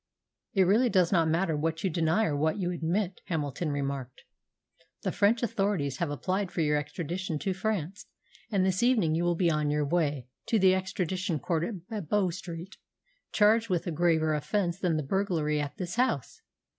"It really does not matter what you deny or what you admit," Hamilton remarked. "The French authorities have applied for your extradition to France, and this evening you will be on your way to the extradition court at Bow Street, charged with a graver offence than the burglary at this house.